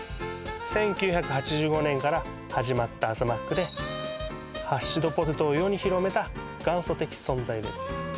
１９８５年から始まった朝マックでハッシュドポテトを世に広めた元祖的存在です